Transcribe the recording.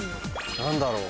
何だろう？